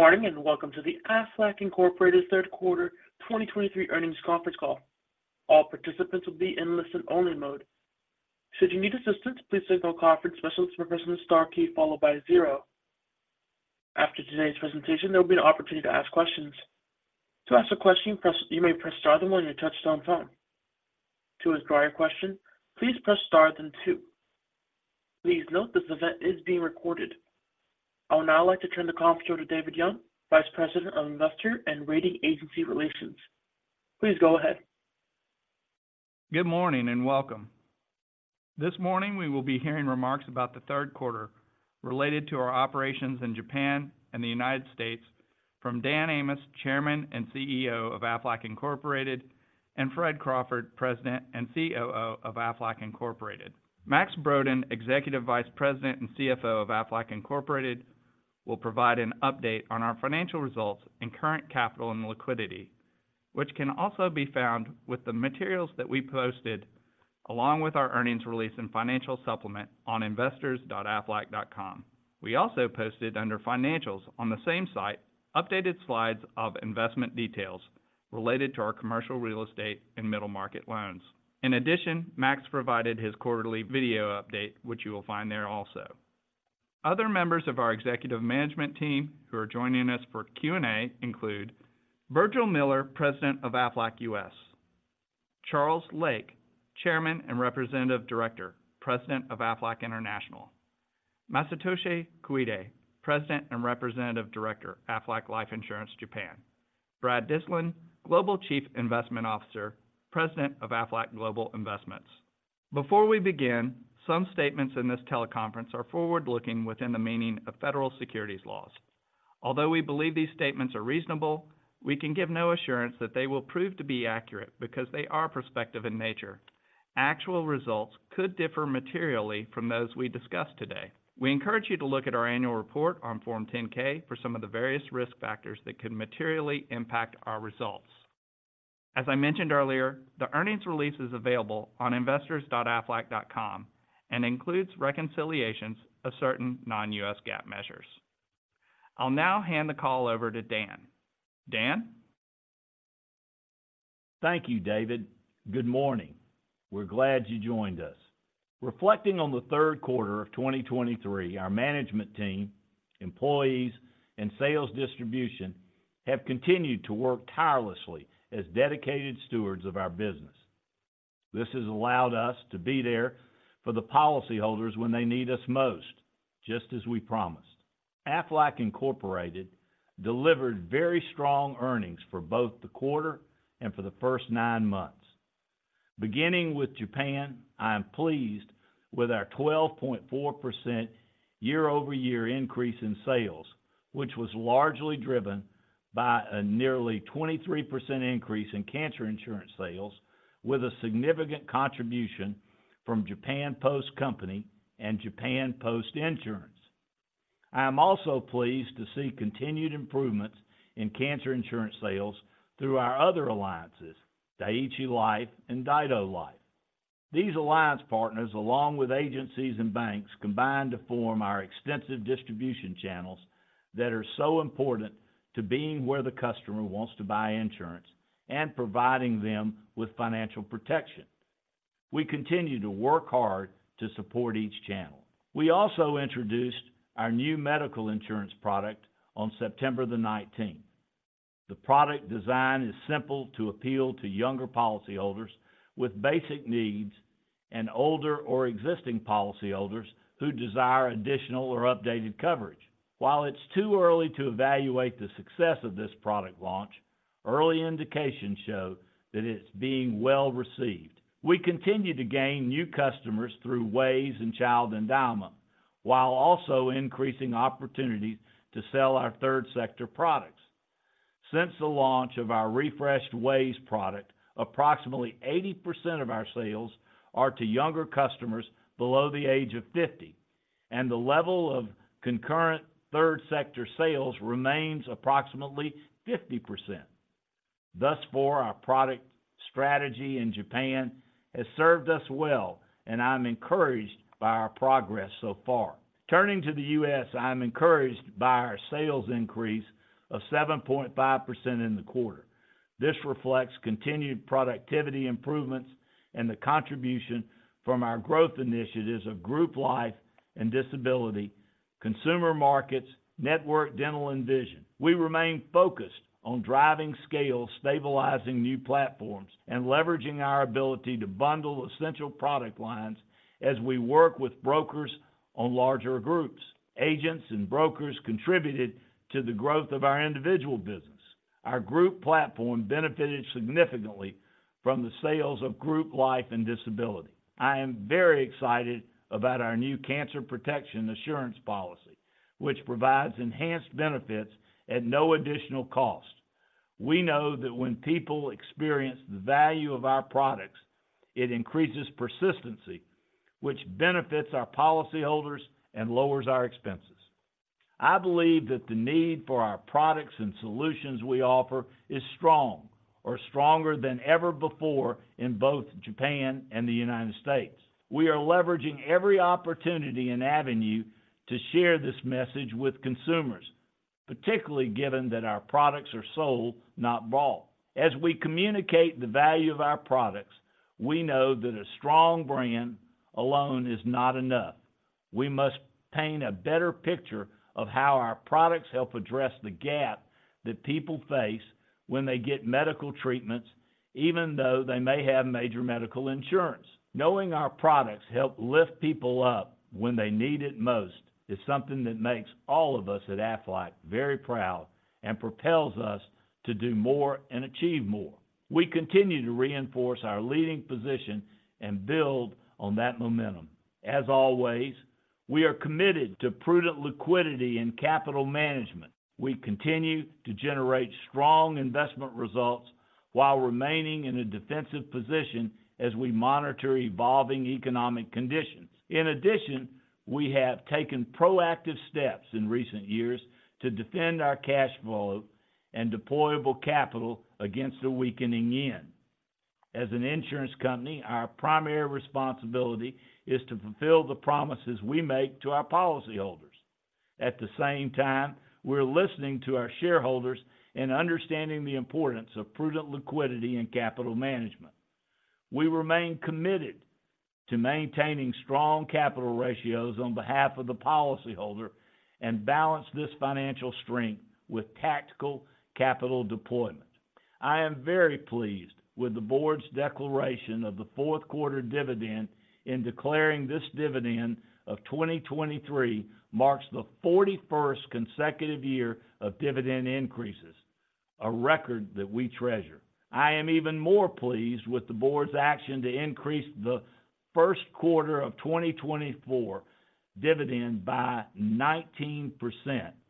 Good morning, and welcome to the Aflac Incorporated third quarter 2023 earnings conference call. All participants will be in listen-only mode. Should you need assistance, please signal a conference specialist by pressing the star key followed by zero. After today's presentation, there will be an opportunity to ask questions. To ask a question, you may press star then one on your touchtone phone. To withdraw your question, please press star then two. Please note this event is being recorded. I would now like to turn the call over to David Young, Vice President of Investor and Rating Agency Relations. Please go ahead. Good morning, and welcome. This morning, we will be hearing remarks about the third quarter related to our operations in Japan and the United States from Dan Amos, Chairman and CEO of Aflac Incorporated, and Fred Crawford, President and COO of Aflac Incorporated. Max Brodén, Executive Vice President and CFO of Aflac Incorporated, will provide an update on our financial results and current capital and liquidity, which can also be found with the materials that we posted, along with our earnings release and financial supplement on investors.aflac.com. We also posted under Financials on the same site, updated slides of investment details related to our commercial real estate and middle market loans. In addition, Max provided his quarterly video update, which you will find there also. Other members of our executive management team who are joining us for Q&A include Virgil Miller, President of Aflac U.S., Charles Lake, Chairman and Representative Director, President of Aflac International, Masatoshi Koide, President and Representative Director, Aflac Life Insurance Japan, Brad Dyslin, Global Chief Investment Officer, President of Aflac Global Investments. Before we begin, some statements in this teleconference are forward-looking within the meaning of federal securities laws. Although we believe these statements are reasonable, we can give no assurance that they will prove to be accurate because they are prospective in nature. Actual results could differ materially from those we discuss today. We encourage you to look at our annual report on Form 10-K for some of the various risk factors that could materially impact our results. As I mentioned earlier, the earnings release is available on investors.aflac.com and includes reconciliations of certain non-U.S. GAAP measures. I'll now hand the call over to Dan. Dan? Thank you, David. Good morning. We're glad you joined us. Reflecting on the third quarter of 2023, our management team, employees, and sales distribution have continued to work tirelessly as dedicated stewards of our business. This has allowed us to be there for the policyholders when they need us most, just as we promised. Aflac Incorporated delivered very strong earnings for both the quarter and for the first nine months. Beginning with Japan, I am pleased with our 12.4% year-over-year increase in sales, which was largely driven by a nearly 23% increase in cancer insurance sales, with a significant contribution from Japan Post Company and Japan Post Insurance. I am also pleased to see continued improvements in cancer insurance sales through our other alliances, Dai-ichi Life and Daido Life. These alliance partners, along with agencies and banks, combine to form our extensive distribution channels that are so important to being where the customer wants to buy insurance and providing them with financial protection. We continue to work hard to support each channel. We also introduced our new medical insurance product on September the 19th. The product design is simple to appeal to younger policyholders with basic needs and older or existing policyholders who desire additional or updated coverage. While it's too early to evaluate the success of this product launch, early indications show that it's being well-received. We continue to gain new customers through WAYS and Child Endowment, while also increasing opportunities to sell our Third Sector products. Since the launch of our refreshed WAYS product, approximately 80% of our sales are to younger customers below the age of 50, and the level of concurrent Third Sector sales remains approximately 50%. Thus far, our product strategy in Japan has served us well, and I'm encouraged by our progress so far. Turning to the U.S., I'm encouraged by our sales increase of 7.5% in the quarter. This reflects continued productivity improvements and the contribution from our growth initiatives of Group Life and Disability, Consumer Markets, Network Dental, and Vision. We remain focused on driving scale, stabilizing new platforms, and leveraging our ability to bundle essential product lines as we work with brokers on larger groups. Agents and brokers contributed to the growth of our individual business. Our group platform benefited significantly from the sales of Group Life and Disability. I am very excited about our new Cancer Protection Assurance policy, which provides enhanced benefits at no additional cost. We know that when people experience the value of our products, it increases persistency, which benefits our policyholders and lowers our expenses. I believe that the need for our products and solutions we offer is strong... are stronger than ever before in both Japan and the United States. We are leveraging every opportunity and avenue to share this message with consumers, particularly given that our products are sold, not bought. As we communicate the value of our products, we know that a strong brand alone is not enough. We must paint a better picture of how our products help address the gap that people face when they get medical treatments, even though they may have major medical insurance. Knowing our products help lift people up when they need it most, is something that makes all of us at Aflac very proud and propels us to do more and achieve more. We continue to reinforce our leading position and build on that momentum. As always, we are committed to prudent liquidity and capital management. We continue to generate strong investment results while remaining in a defensive position as we monitor evolving economic conditions. In addition, we have taken proactive steps in recent years to defend our cash flow and deployable capital against the weakening Japanese yen. As an insurance company, our primary responsibility is to fulfill the promises we make to our policyholders. At the same time, we're listening to our shareholders and understanding the importance of prudent liquidity and capital management. We remain committed to maintaining strong capital ratios on behalf of the policyholder and balance this financial strength with tactical capital deployment. I am very pleased with the board's declaration of the fourth quarter dividend, and declaring this dividend of 2023 marks the 41st consecutive year of dividend increases, a record that we treasure. I am even more pleased with the board's action to increase the first quarter of 2024 dividend by 19%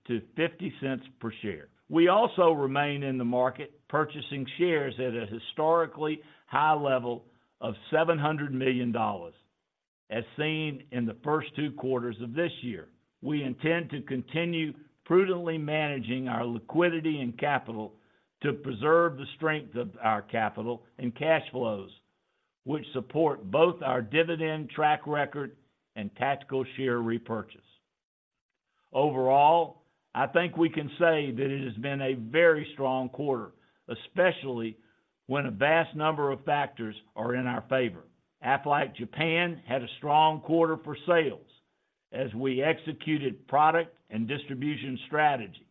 to $0.50 per share. We also remain in the market, purchasing shares at a historically high level of $700 million, as seen in the first two quarters of this year. We intend to continue prudently managing our liquidity and capital to preserve the strength of our capital and cash flows, which support both our dividend track record and tactical share repurchase. Overall, I think we can say that it has been a very strong quarter, especially when a vast number of factors are in our favor. Aflac Japan had a strong quarter for sales as we executed product and distribution strategy.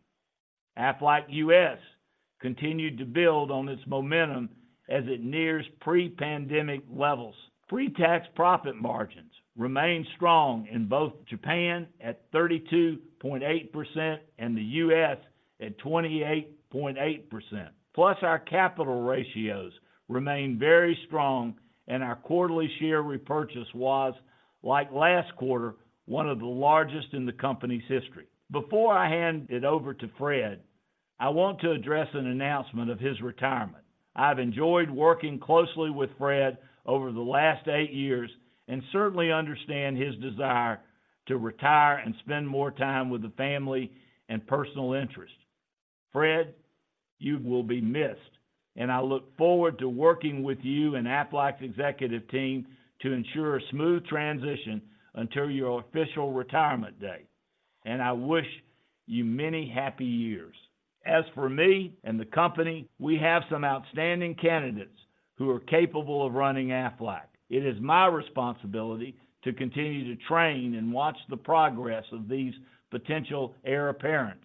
Aflac U.S. continued to build on its momentum as it nears pre-pandemic levels. Pre-tax profit margins remain strong in both Japan at 32.8% and the U.S. at 28.8%. Plus, our capital ratios remain very strong, and our quarterly share repurchase was, like last quarter, one of the largest in the company's history. Before I hand it over to Fred, I want to address an announcement of his retirement. I've enjoyed working closely with Fred over the last eight years and certainly understand his desire to retire and spend more time with the family and personal interests. Fred, you will be missed, and I look forward to working with you and Aflac's executive team to ensure a smooth transition until your official retirement day. I wish you many happy years. As for me and the company, we have some outstanding candidates who are capable of running Aflac. It is my responsibility to continue to train and watch the progress of these potential heir apparents,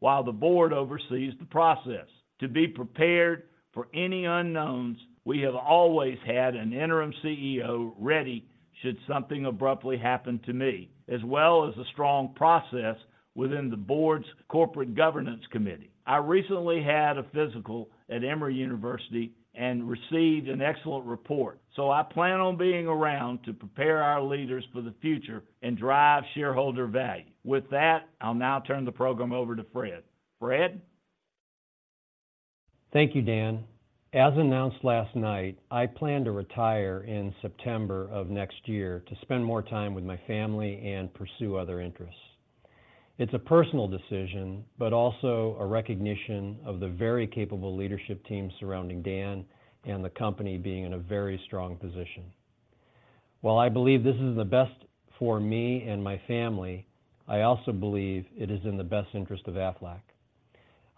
while the board oversees the process. To be prepared for any unknowns, we have always had an interim CEO ready, should something abruptly happen to me, as well as a strong process within the board's corporate governance committee. I recently had a physical at Emory University and received an excellent report, so I plan on being around to prepare our leaders for the future and drive shareholder value. With that, I'll now turn the program over to Fred. Fred? Thank you, Dan. As announced last night, I plan to retire in September of next year to spend more time with my family and pursue other interests. It's a personal decision, but also a recognition of the very capable leadership team surrounding Dan and the company being in a very strong position. While I believe this is the best for me and my family, I also believe it is in the best interest of Aflac.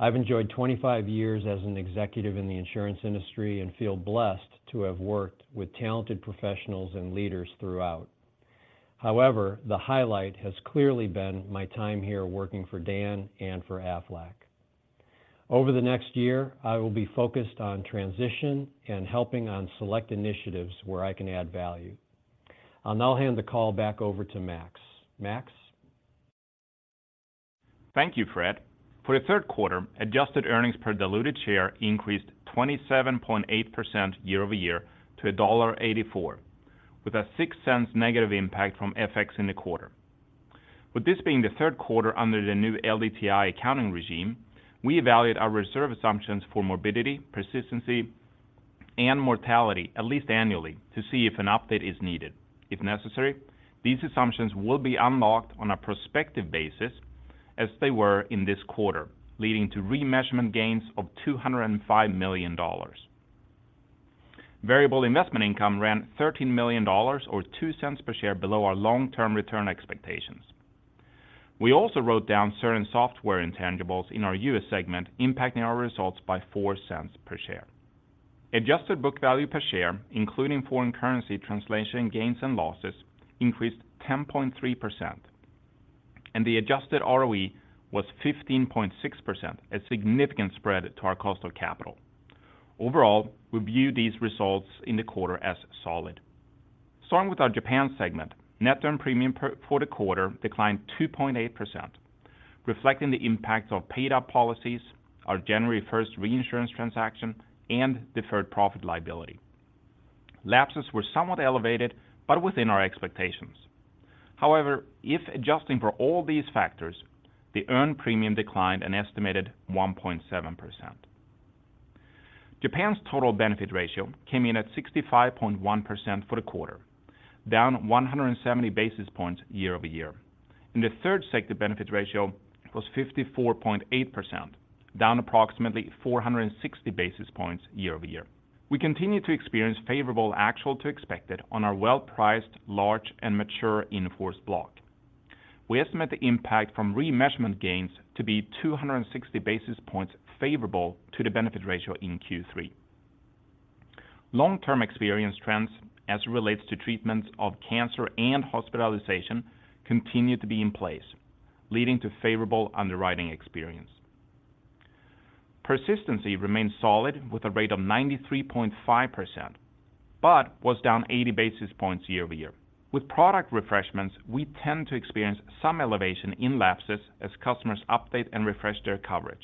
I've enjoyed 25 years as an executive in the insurance industry and feel blessed to have worked with talented professionals and leaders throughout. However, the highlight has clearly been my time here working for Dan and for Aflac. Over the next year, I will be focused on transition and helping on select initiatives where I can add value. I'll now hand the call back over to Max. Max? Thank you, Fred. For the third quarter, adjusted earnings per diluted share increased 27.8% year-over-year to $1.84, with a negative $0.06 impact from FX in the quarter. With this being the third quarter under the new LDTI accounting regime, we evaluate our reserve assumptions for morbidity, persistency and mortality at least annually to see if an update is needed. If necessary, these assumptions will be unlocked on a prospective basis as they were in this quarter, leading to remeasurement gains of $205 million. Variable investment income ran $13 million, or $0.02 per share, below our long-term return expectations. We also wrote down certain software intangibles in our U.S. segment, impacting our results by $0.04 per share. Adjusted book value per share, including foreign currency translation gains and losses, increased 10.3%, and the adjusted ROE was 15.6%, a significant spread to our cost of capital. Overall, we view these results in the quarter as solid. Starting with our Japan segment, net earned premium for the quarter declined 2.8%, reflecting the impact of paid-up policies, our January first reinsurance transaction, and deferred profit liability. Lapses were somewhat elevated, but within our expectations. However, if adjusting for all these factors, the earned premium declined an estimated 1.7%. Japan's total benefit ratio came in at 65.1% for the quarter, down 170 basis points year-over-year, and the third sector benefit ratio was 54.8%, down approximately 460 basis points year-over-year. We continue to experience favorable actual to expected on our well-priced, large, and mature in-force block. We estimate the impact from remeasurement gains to be 260 basis points favorable to the benefit ratio in Q3. Long-term experience trends as it relates to treatments of cancer and hospitalization continue to be in place, leading to favorable underwriting experience. Persistency remains solid, with a rate of 93.5%, but was down 80 basis points year over year. With product refreshments, we tend to experience some elevation in lapses as customers update and refresh their coverage,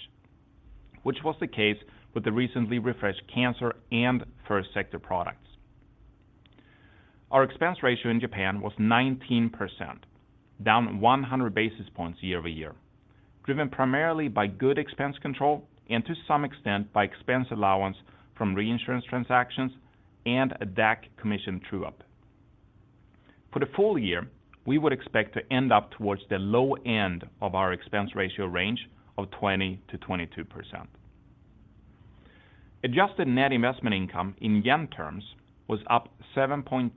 which was the case with the recently refreshed cancer and First Sector products. Our expense ratio in Japan was 19%, down 100 basis points year over year, driven primarily by good expense control and to some extent by expense allowance from reinsurance transactions and a DAC commission true-up. For the full year, we would expect to end up towards the low end of our expense ratio range of 20%-22%. Adjusted net investment income in yen terms was up 7.2%,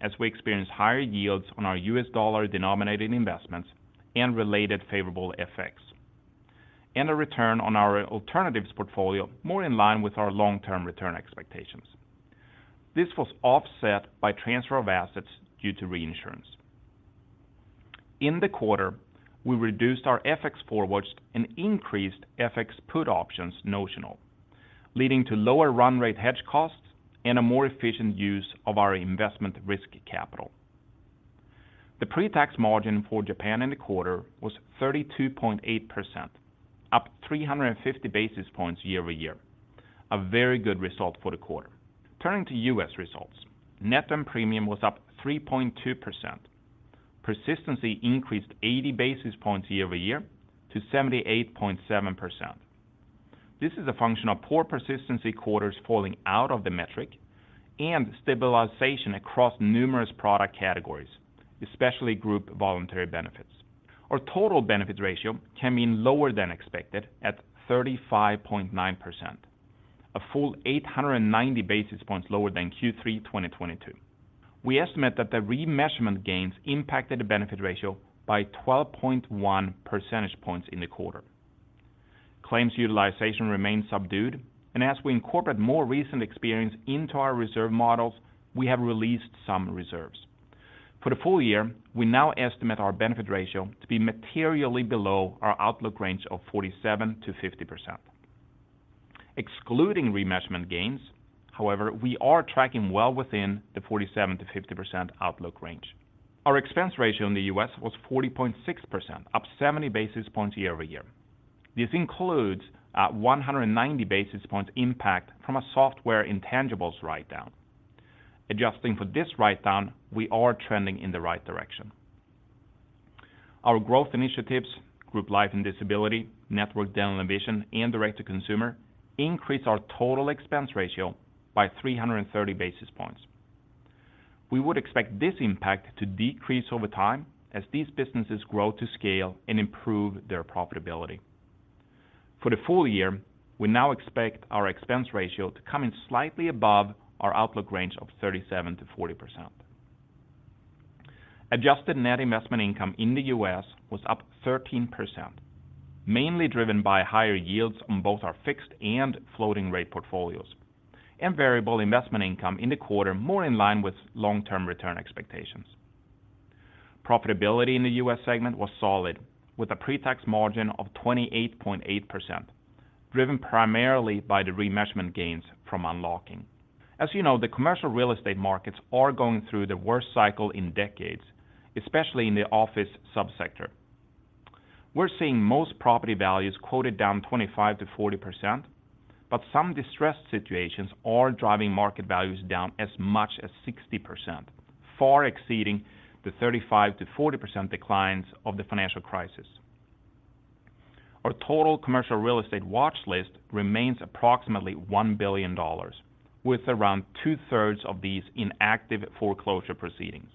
as we experienced higher yields on our U.S. dollar-denominated investments and related favorable FX, and a return on our alternatives portfolio more in line with our long-term return expectations. This was offset by transfer of assets due to reinsurance. In the quarter, we reduced our FX forwards and increased FX put options notional, leading to lower run rate hedge costs and a more efficient use of our investment risk capital. The pre-tax margin for Japan in the quarter was 32.8%, up 350 basis points year-over-year, a very good result for the quarter. Turning to U.S. results, net earned premium was up 3.2%. Persistency increased 80 basis points year-over-year to 78.7%. This is a function of poor persistency quarters falling out of the metric and stabilization across numerous product categories, especially group voluntary benefits. Our total benefit ratio came in lower than expected at 35.9%, a full 890 basis points lower than Q3 2022. We estimate that the remeasurement gains impacted the benefit ratio by 12.1 percentage points in the quarter. Claims utilization remains subdued, and as we incorporate more recent experience into our reserve models, we have released some reserves. For the full year, we now estimate our benefit ratio to be materially below our outlook range of 47%-50%. Excluding remeasurement gains, however, we are tracking well within the 47%-50% outlook range. Our expense ratio in the U.S. was 40.6%, up 70 basis points year-over-year. This includes a 190 basis points impact from a software intangibles write-down. Adjusting for this write-down, we are trending in the right direction. Our growth initiatives, Group Life and Disability, Network Dental and Vision, and Direct to Consumer, increased our total expense ratio by 330 basis points. We would expect this impact to decrease over time as these businesses grow to scale and improve their profitability. For the full year, we now expect our expense ratio to come in slightly above our outlook range of 37%-40%. Adjusted net investment income in the U.S. was up 13%, mainly driven by higher yields on both our fixed and floating rate portfolios, and variable investment income in the quarter more in line with long-term return expectations. Profitability in the U.S. segment was solid, with a pre-tax margin of 28.8%, driven primarily by the remeasurement gains from unlocking. As you know, the commercial real estate markets are going through the worst cycle in decades, especially in the office subsector. We're seeing most property values quoted down 25%-40%, but some distressed situations are driving market values down as much as 60%, far exceeding the 35%-40% declines of the financial crisis. Our total commercial real estate watch list remains approximately $1 billion, with around two-thirds of these in active foreclosure proceedings.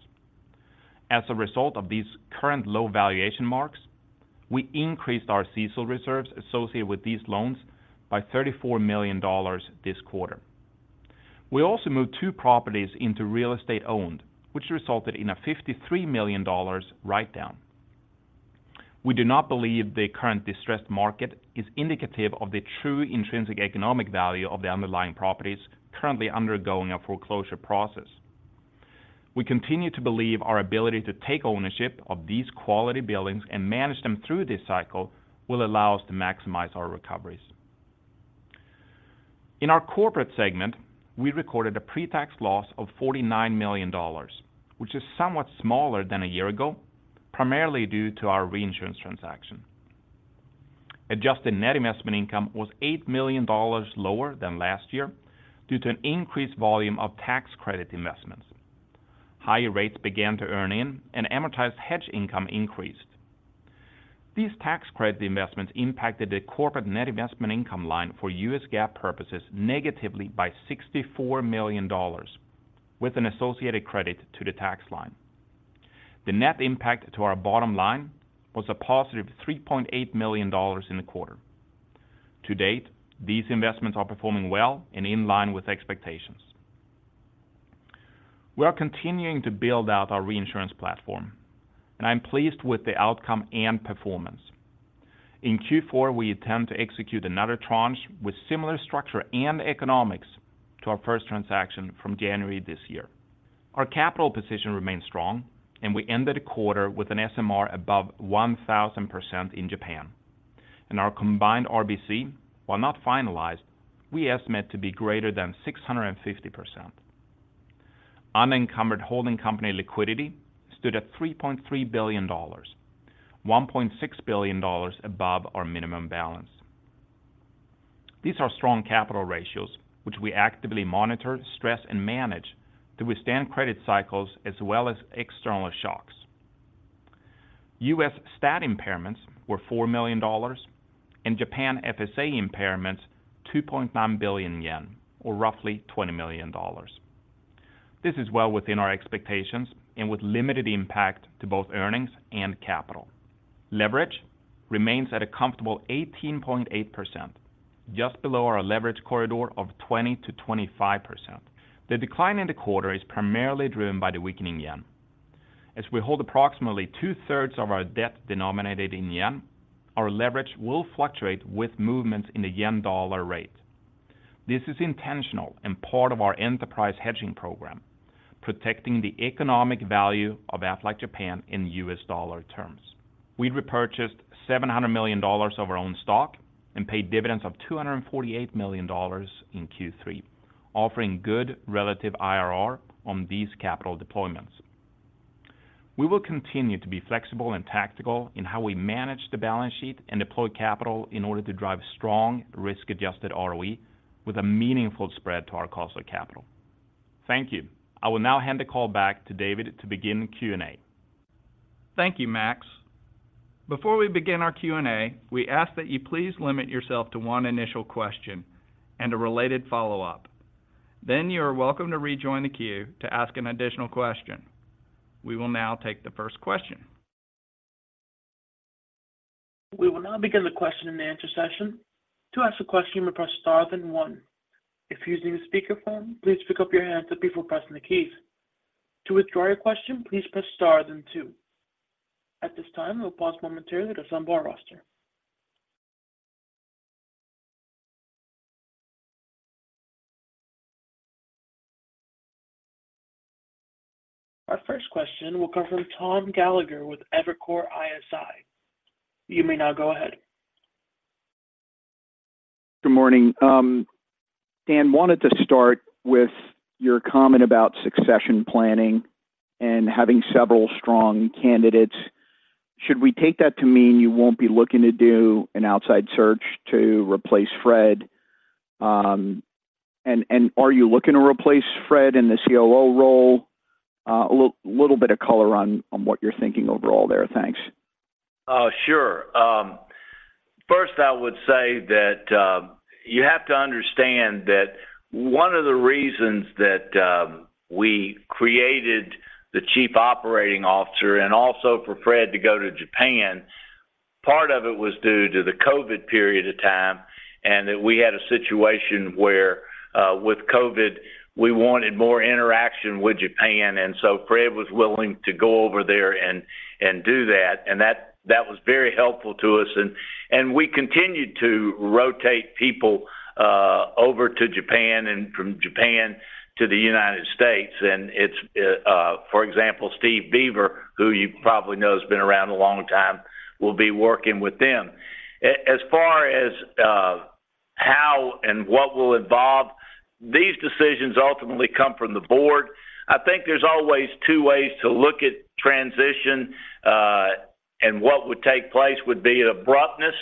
As a result of these current low valuation marks, we increased our CECL reserves associated with these loans by $34 million this quarter. We also moved two properties into real estate owned, which resulted in a $53 million write-down. We do not believe the current distressed market is indicative of the true intrinsic economic value of the underlying properties currently undergoing a foreclosure process. We continue to believe our ability to take ownership of these quality buildings and manage them through this cycle will allow us to maximize our recoveries. In our corporate segment, we recorded a pre-tax loss of $49 million, which is somewhat smaller than a year ago, primarily due to our reinsurance transaction. Adjusted net investment income was $8 million lower than last year due to an increased volume of tax credit investments. Higher rates began to earn in, and amortized hedge income increased. These tax credit investments impacted the corporate net investment income line for U.S. GAAP purposes negatively by $64 million, with an associated credit to the tax line. The net impact to our bottom line was a positive $3.8 million in the quarter. To date, these investments are performing well and in line with expectations. We are continuing to build out our reinsurance platform, and I'm pleased with the outcome and performance. In Q4, we intend to execute another tranche with similar structure and economics to our first transaction from January this year. Our capital position remains strong, and we ended the quarter with an SMR above 1,000% in Japan. Our combined RBC, while not finalized, we estimate to be greater than 650%. Unencumbered holding company liquidity stood at $3.3 billion, $1.6 billion above our minimum balance. These are strong capital ratios, which we actively monitor, stress, and manage to withstand credit cycles as well as external shocks. U.S. stat impairments were $4 million, and Japan FSA impairments, 2.9 billion yen, or roughly $20 million. This is well within our expectations and with limited impact to both earnings and capital. Leverage remains at a comfortable 18.8%, just below our leverage corridor of 20%-25%. The decline in the quarter is primarily driven by the weakening yen. As we hold approximately two-thirds of our debt denominated in yen, our leverage will fluctuate with movements in the yen-dollar rate. This is intentional and part of our enterprise hedging program, protecting the economic value of Aflac Japan in U.S. dollar terms. We repurchased $700 million of our own stock and paid dividends of $248 million in Q3, offering good relative IRR on these capital deployments. We will continue to be flexible and tactical in how we manage the balance sheet and deploy capital in order to drive strong risk-adjusted ROE with a meaningful spread to our cost of capital. Thank you. I will now hand the call back to David to begin the Q&A. Thank you, Max. Before we begin our Q&A, we ask that you please limit yourself to one initial question and a related follow-up. Then you are welcome to rejoin the queue to ask an additional question. We will now take the first question. We will now begin the question and answer session. To ask a question, press star, then one. If you're using a speakerphone, please pick up your handset before pressing the keys. To withdraw your question, please press star, then two. At this time, we'll pause momentarily to assemble our roster. Our first question will come from Tom Gallagher with Evercore ISI. You may now go ahead. Good morning. Dan, wanted to start with your comment about succession planning and having several strong candidates. Should we take that to mean you won't be looking to do an outside search to replace Fred? And are you looking to replace Fred in the COO role? A little bit of color on what you're thinking overall there. Thanks. Sure. First, I would say that you have to understand that one of the reasons that we created the Chief Operating Officer and also for Fred to go to Japan, part of it was due to the COVID period of time, and that we had a situation where with COVID, we wanted more interaction with Japan, and so Fred was willing to go over there and do that. And that was very helpful to us, and we continued to rotate people over to Japan and from Japan to the United States. And it's for example, Steve Beaver, who you probably know has been around a long time, will be working with them. As far as how and what will involve, these decisions ultimately come from the Board. I think there's always two ways to look at transition, and what would take place would be an abruptness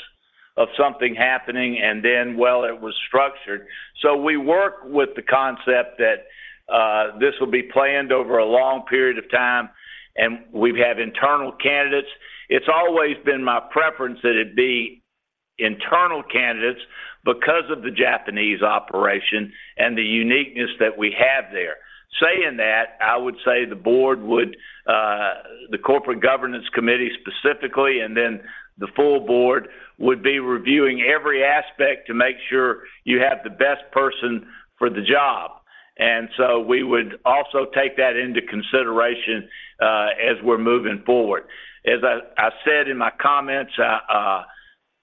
of something happening and then, well, it was structured. So we work with the concept that this will be planned over a long period of time... and we've had internal candidates. It's always been my preference that it be internal candidates because of the Japanese operation and the uniqueness that we have there. Saying that, I would say the board would, the corporate governance committee specifically, and then the full board would be reviewing every aspect to make sure you have the best person for the job. And so we would also take that into consideration, as we're moving forward. As I said in my comments,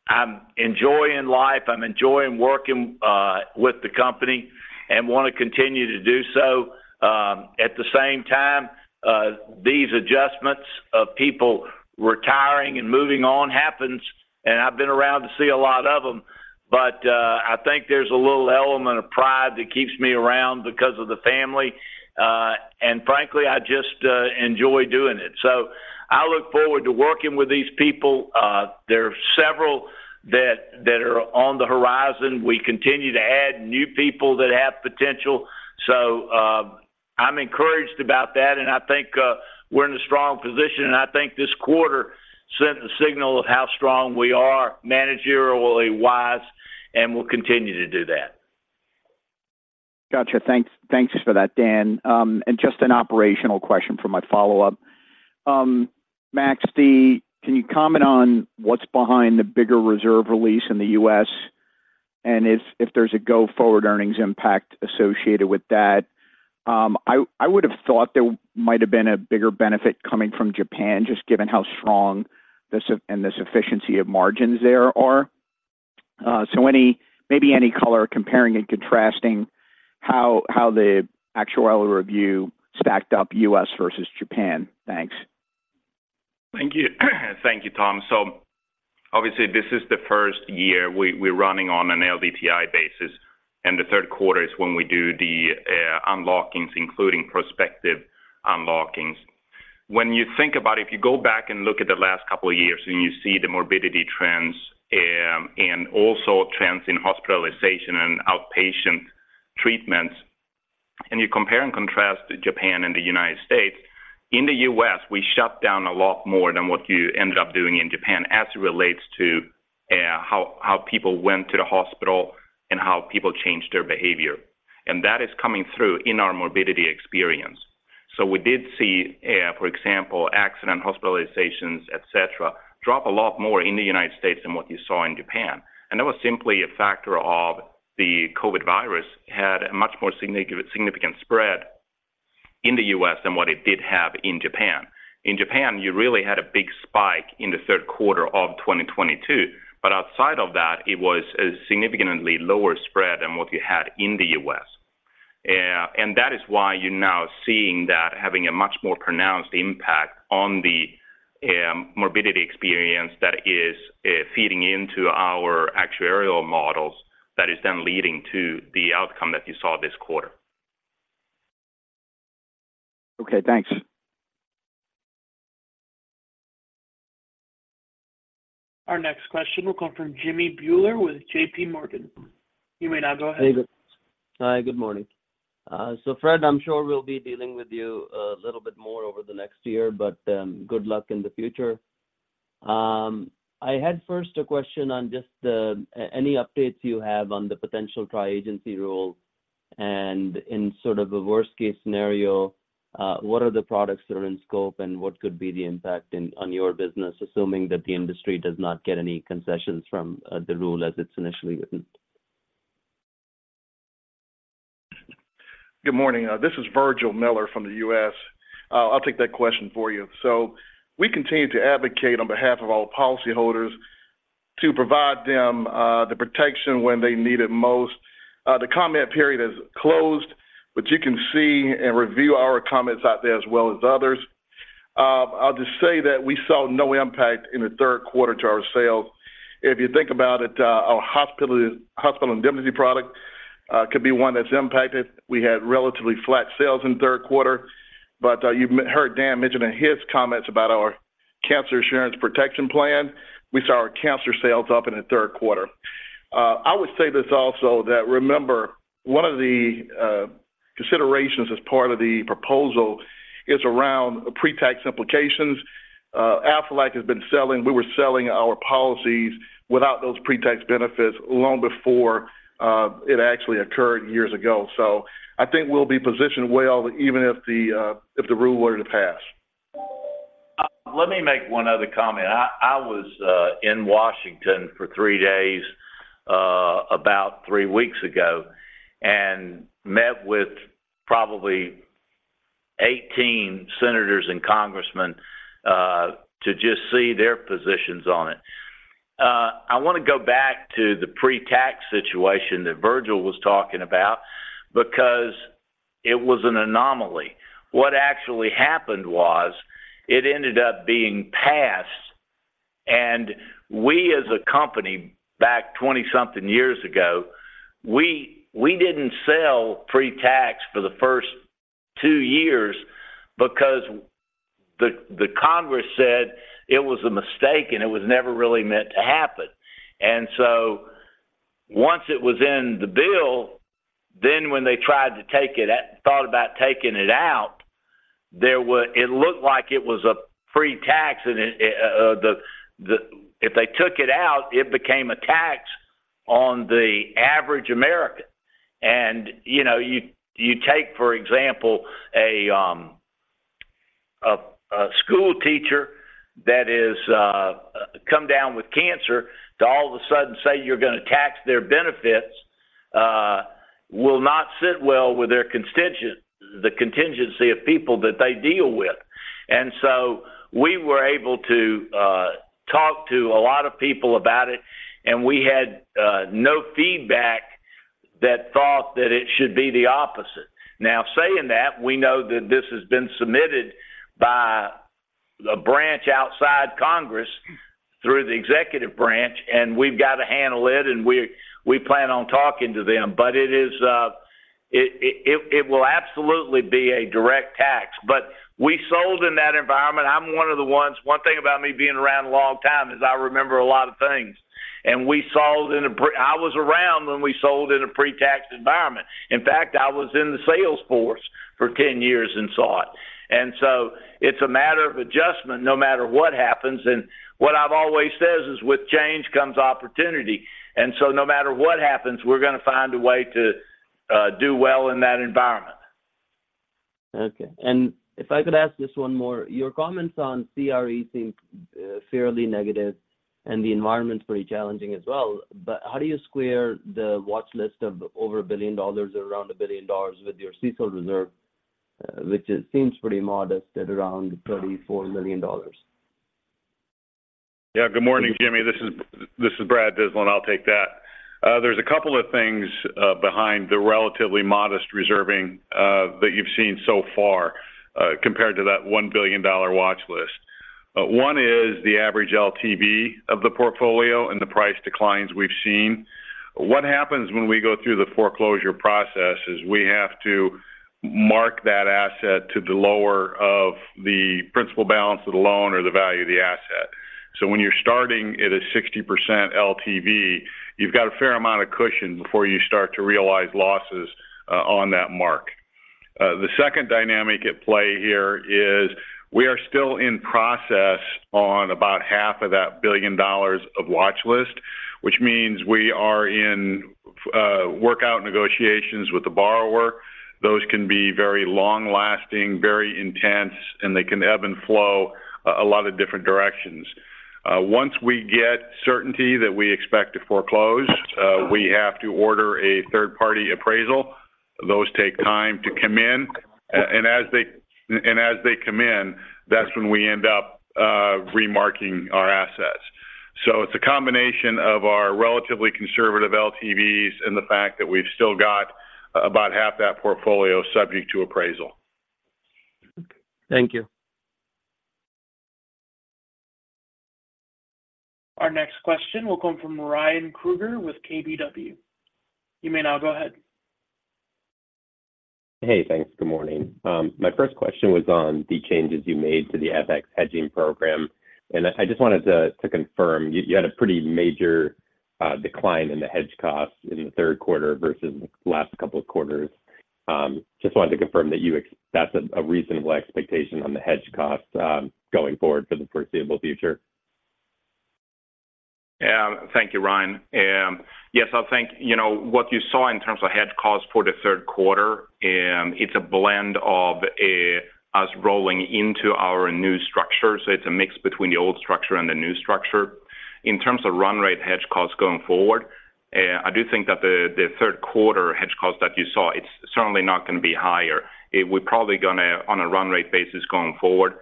I'm enjoying life, I'm enjoying working with the company and want to continue to do so. At the same time, these adjustments of people retiring and moving on happens, and I've been around to see a lot of them, but I think there's a little element of pride that keeps me around because of the family, and frankly, I just enjoy doing it. So I look forward to working with these people. There are several that are on the horizon. We continue to add new people that have potential. So, I'm encouraged about that, and I think we're in a strong position, and I think this quarter sent a signal of how strong we are managerially wise, and we'll continue to do that. Gotcha. Thanks. Thanks for that, Dan. Just an operational question for my follow-up. Max B, can you comment on what's behind the bigger reserve release in the U.S., and if there's a go-forward earnings impact associated with that? I would have thought there might have been a bigger benefit coming from Japan, just given how strong this and this efficiency of margins there are. Any, maybe any color comparing and contrasting how the actuarial review stacked up U.S. versus Japan? Thanks. Thank you. Thank you, Tom. So obviously, this is the first year we're running on an LDTI basis, and the third quarter is when we do the unlockings, including prospective unlockings. When you think about it, if you go back and look at the last couple of years, and you see the morbidity trends, and also trends in hospitalization and outpatient treatments, and you compare and contrast Japan and the United States, in the U.S., we shut down a lot more than what you ended up doing in Japan as it relates to how people went to the hospital and how people changed their behavior. And that is coming through in our morbidity experience. So we did see, for example, accident, hospitalizations, et cetera, drop a lot more in the United States than what you saw in Japan. And that was simply a factor of the COVID virus, had a much more significant spread in the U.S. than what it did have in Japan. In Japan, you really had a big spike in the third quarter of 2022, but outside of that, it was a significantly lower spread than what you had in the U.S. And that is why you're now seeing that having a much more pronounced impact on the morbidity experience that is feeding into our actuarial models, that is then leading to the outcome that you saw this quarter. Okay, thanks. Our next question will come from Jimmy Bhullar with JPMorgan. You may now go ahead. Hey, good. Hi, good morning. So Fred, I'm sure we'll be dealing with you a little bit more over the next year, but, good luck in the future. I had first a question on just the, any updates you have on the potential Tri-Agency Rule, and in sort of a worst-case scenario, what are the products that are in scope, and what could be the impact in, on your business, assuming that the industry does not get any concessions from, the rule as it's initially written? Good morning. This is Virgil Miller from the U.S. I'll take that question for you. So we continue to advocate on behalf of our policyholders to provide them the protection when they need it most. The comment period is closed, but you can see and review our comments out there as well as others. I'll just say that we saw no impact in the third quarter to our sales. If you think about it, our hospital indemnity product could be one that's impacted. We had relatively flat sales in the third quarter, but you've heard Dan mention in his comments about our cancer insurance protection plan. We saw our cancer sales up in the third quarter. I would say this also, that remember, one of the considerations as part of the proposal is around pre-tax implications. Aflac has been selling. We were selling our policies without those pre-tax benefits long before it actually occurred years ago. So I think we'll be positioned well, even if the rule were to pass. Let me make one other comment. I was in Washington for three days about three weeks ago, and met with probably 18 senators and congressmen to just see their positions on it. I wanna go back to the pre-tax situation that Virgil was talking about because it was an anomaly. What actually happened was it ended up being passed, and we, as a company, back 20-something years ago, we didn't sell pre-tax for the first 2 years because the Congress said it was a mistake, and it was never really meant to happen. And so... Once it was in the bill, then when they tried to take it out, thought about taking it out, it looked like it was a free tax, and if they took it out, it became a tax on the average American. And, you know, take, for example, a schoolteacher that is come down with cancer, to all of a sudden say you're gonna tax their benefits, will not sit well with their contingent, the contingency of people that they deal with. And so we were able to talk to a lot of people about it, and we had no feedback that thought that it should be the opposite. Now, saying that, we know that this has been submitted by the branch outside Congress through the executive branch, and we've got to handle it, and we plan on talking to them. But it is, it will absolutely be a direct tax. But we sold in that environment. I'm one of the ones, one thing about me being around a long time is I remember a lot of things. And we sold in a pre-tax environment. I was around when we sold in a pre-tax environment. In fact, I was in the sales force for 10 years and saw it. And so it's a matter of adjustment, no matter what happens. And what I've always says is, with change comes opportunity. And so no matter what happens, we're gonna find a way to do well in that environment. Okay. If I could ask just one more. Your comments on CRE seem fairly negative, and the environment's pretty challenging as well. But how do you square the watch list of over $1 billion, around $1 billion with your CECL reserve, which it seems pretty modest at around $34 million? Yeah. Good morning, Jimmy. This is, this is Brad Dyslin, I'll take that. There's a couple of things behind the relatively modest reserving that you've seen so far compared to that $1 billion watch list. One is the average LTV of the portfolio and the price declines we've seen. What happens when we go through the foreclosure process is we have to mark that asset to the lower of the principal balance of the loan or the value of the asset. So when you're starting at a 60% LTV, you've got a fair amount of cushion before you start to realize losses on that mark. The second dynamic at play here is we are still in process on about half of that $1 billion watch list, which means we are in workout negotiations with the borrower. Those can be very long-lasting, very intense, and they can ebb and flow a lot of different directions. Once we get certainty that we expect to foreclose, we have to order a third-party appraisal. Those take time to come in, and as they come in, that's when we end up remarketing our assets. So it's a combination of our relatively conservative LTVs and the fact that we've still got about half that portfolio subject to appraisal. Thank you. Our next question will come from Ryan Krueger with KBW. You may now go ahead. Hey, thanks. Good morning. My first question was on the changes you made to the FX hedging program. I just wanted to confirm, you had a pretty major decline in the hedge costs in the third quarter versus the last couple of quarters. Just wanted to confirm that that's a reasonable expectation on the hedge costs going forward for the foreseeable future. Yeah. Thank you, Ryan. Yes, I think, you know, what you saw in terms of hedge costs for the third quarter, it's a blend of us rolling into our new structure. So it's a mix between the old structure and the new structure. In terms of run rate hedge costs going forward, I do think that the third quarter hedge costs that you saw, it's certainly not gonna be higher. It will probably gonna, on a run rate basis going forward,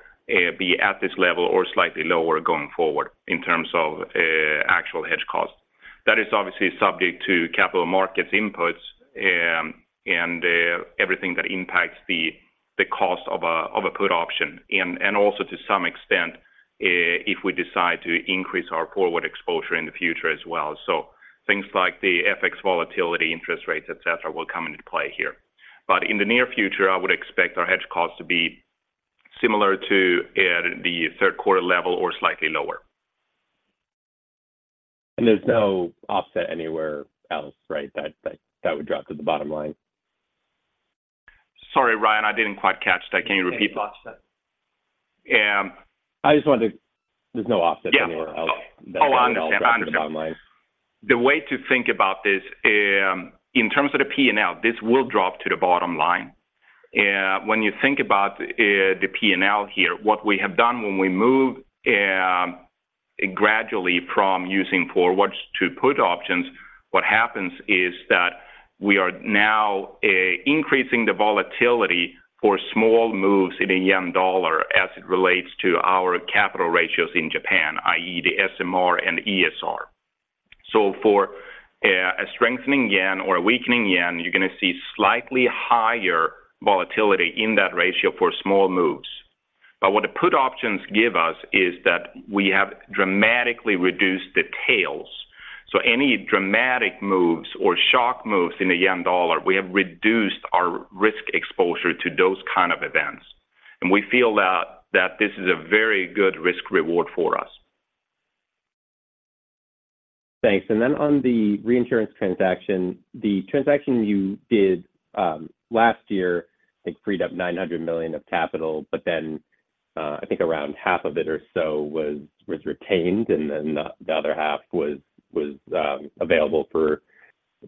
be at this level or slightly lower going forward in terms of actual hedge costs. That is obviously subject to capital markets inputs, and everything that impacts the cost of a put option, and also to some extent, if we decide to increase our forward exposure in the future as well. So things like the FX volatility, interest rates, et cetera, will come into play here. But in the near future, I would expect our hedge costs to be similar to the third quarter level or slightly lower. There's no offset anywhere else, right? That would drop to the bottom line. Sorry, Ryan, I didn't quite catch that. Can you repeat? There's no offset. Um- I just wanted to... There's no offset anywhere else- Yeah. Oh, I understand. I understand. That would drop to the bottom line. The way to think about this, in terms of the P&L, this will drop to the bottom line. When you think about the P&L here, what we have done when we moved gradually from using forwards to put options, what happens is that we are now increasing the volatility for small moves in the yen-dollar as it relates to our capital ratios in Japan, i.e., the SMR and ESR. So for a strengthening yen or a weakening yen, you're gonna see slightly higher volatility in that ratio for small moves. But what the put options give us is that we have dramatically reduced the tails. So any dramatic moves or shock moves in the yen-dollar, we have reduced our risk exposure to those kind of events... and we feel that this is a very good risk-reward for us. Thanks. And then on the reinsurance transaction, the transaction you did, last year, I think, freed up $900 million of capital, but then, I think around half of it or so was available for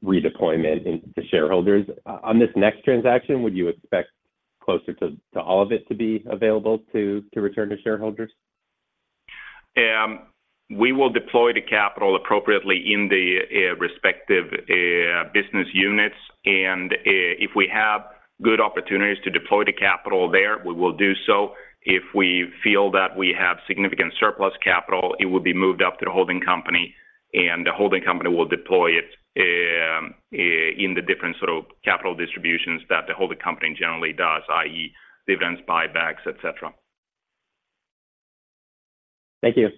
redeployment into shareholders. On this next transaction, would you expect closer to all of it to be available to return to shareholders? We will deploy the capital appropriately in the respective business units. If we have good opportunities to deploy the capital there, we will do so. If we feel that we have significant surplus capital, it will be moved up to the holding company, and the holding company will deploy it in the different sort of capital distributions that the holding company generally does, i.e., dividends, buybacks, etc. Thank you.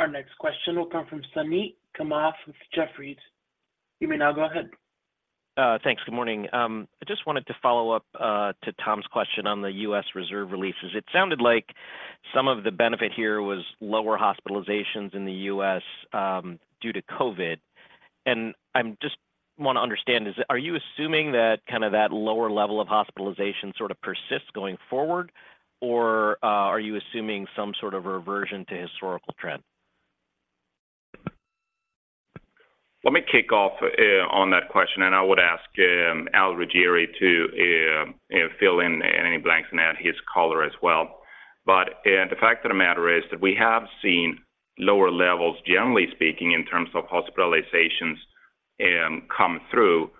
Our next question will come from Suneet Kamath with Jefferies. You may now go ahead. Thanks. Good morning. I just wanted to follow up to Tom's question on the U.S. reserve releases. It sounded like some of the benefit here was lower hospitalizations in the U.S. due to COVID. And I'm just want to understand, is are you assuming that kind of that lower level of hospitalization sort of persists going forward? Or are you assuming some sort of reversion to historical trend? Let me kick off on that question, and I would ask Al Ruggieri to fill in any blanks and add his color as well. But the fact of the matter is that we have seen lower levels, generally speaking, in terms of hospitalizations, come through.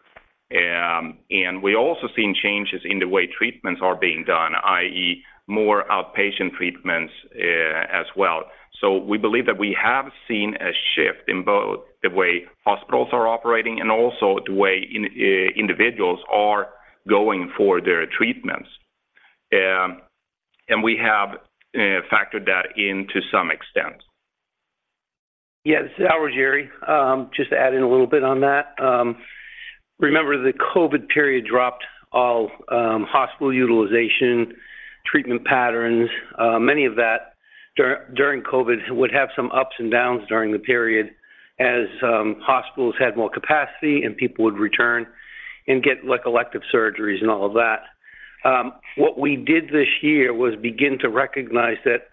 And we've also seen changes in the way treatments are being done, i.e., more outpatient treatments, as well. So we believe that we have seen a shift in both the way hospitals are operating and also the way individuals are going for their treatments. And we have factored that in to some extent. Yes, this is Al Ruggieri. Just to add in a little bit on that. Remember, the COVID period dropped all hospital utilization, treatment patterns. Many of that during COVID would have some ups and downs during the period as hospitals had more capacity and people would return and get like elective surgeries and all of that. What we did this year was begin to recognize that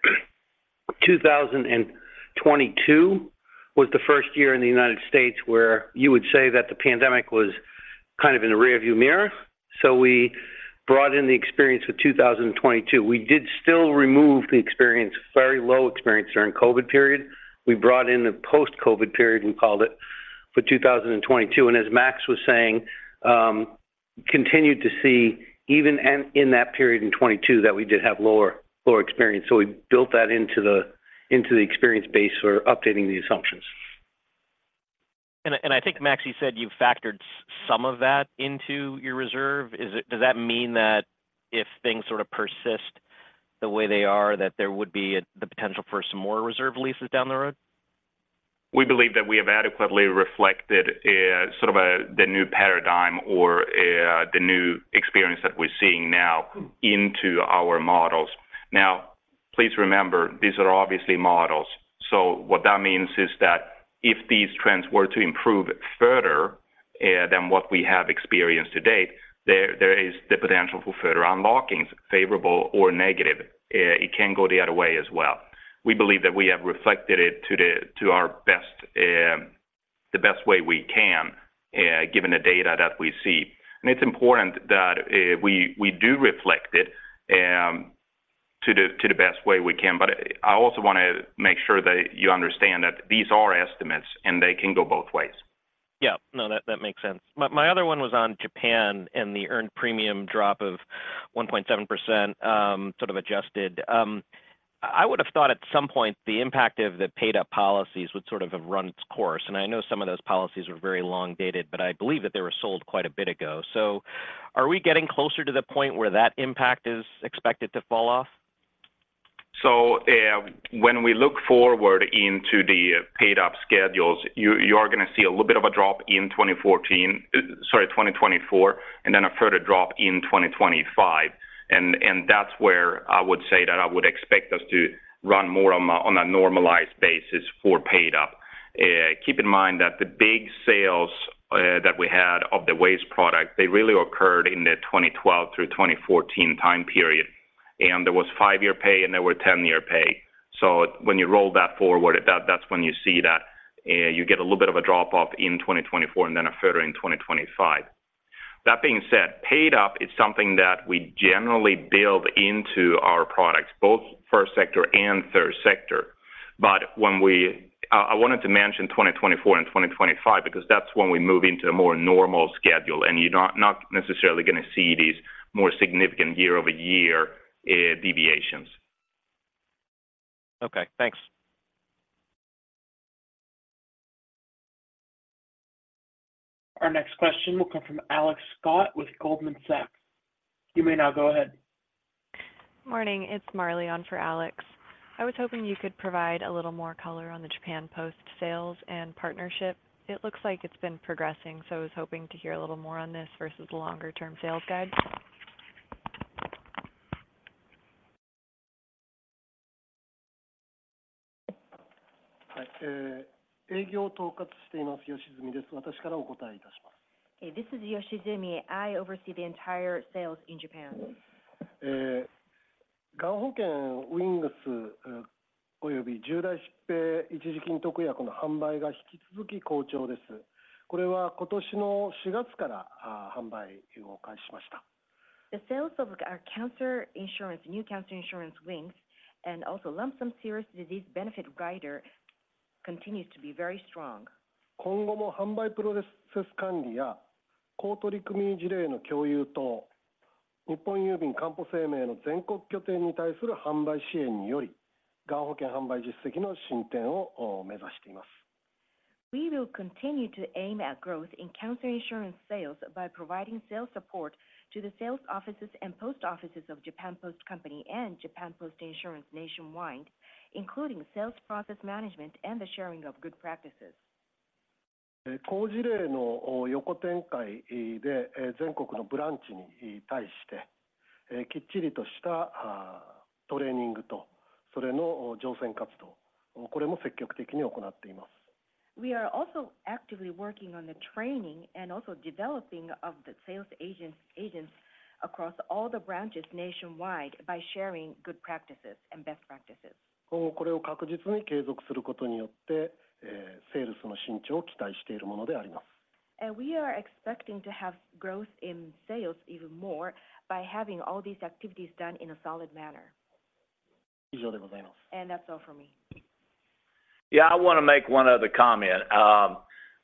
2022 was the first year in the United States where you would say that the pandemic was kind of in the rearview mirror. So we brought in the experience of 2022. We did still remove the experience, very low experience during COVID period. We brought in the post-COVID period, we called it, for 2022, and as Max was saying, continued to see, even in that period in 2022, that we did have lower experience. So we built that into the experience base for updating the assumptions. I, and I think, Max, you said you've factored some of that into your reserve. Is it, does that mean that if things sort of persist the way they are, that there would be the potential for some more reserve releases down the road? We believe that we have adequately reflected, sort of, the new paradigm or, the new experience that we're seeing now into our models. Now, please remember, these are obviously models. So what that means is that if these trends were to improve further, than what we have experienced to date, there is the potential for further unlockings, favorable or negative. It can go the other way as well. We believe that we have reflected it to the best, the best way we can, given the data that we see. And it's important that we do reflect it, to the best way we can. But I also want to make sure that you understand that these are estimates, and they can go both ways. Yeah. No, that, that makes sense. My, my other one was on Japan and the earned premium drop of 1.7%, sort of adjusted. I would have thought at some point the impact of the paid-up policies would sort of have run its course, and I know some of those policies were very long-dated, but I believe that they were sold quite a bit ago. So are we getting closer to the point where that impact is expected to fall off? So, when we look forward into the paid up schedules, you, you are going to see a little bit of a drop in 2014, sorry, 2024, and then a further drop in 2025. And, that's where I would say that I would expect us to run more on a, on a normalized basis for paid up. Keep in mind that the big sales, that we had of the WAYS product, they really occurred in the 2012 through 2014 time period, and there was 5-year pay, and there were 10-year pay. So when you roll that forward, that's when you see that, you get a little bit of a drop-off in 2024 and then a further in 2025. That being said, paid up is something that we generally build into our products, both First Sector and Third Sector. But I wanted to mention 2024 and 2025 because that's when we move into a more normal schedule, and you're not necessarily going to see these more significant year-over-year deviations. Okay, thanks. Our next question will come from Alex Scott with Goldman Sachs. You may now go ahead. Morning, it's Marley on for Alex. I was hoping you could provide a little more color on the Japan Post sales and partnership. It looks like it's been progressing, so I was hoping to hear a little more on this versus the longer-term sales guide. Hey, this is Yoshizumi. I oversee the entire sales in Japan. The sales of our cancer insurance, new cancer insurance Wings, and also Lump Sum Serious Disease Benefit Rider continues to be very strong. We will continue to aim at growth in cancer insurance sales by providing sales support to the sales offices and post offices of Japan Post Company and Japan Post Insurance nationwide, including sales process management and the sharing of good practices. We are also actively working on the training and also developing of the sales agents, agents across all the branches nationwide by sharing good practices and best practices. We are expecting to have growth in sales even more by having all these activities done in a solid manner. That's all for me. Yeah, I want to make one other comment.